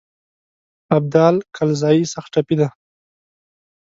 ابدال کلزايي سخت ټپي دی.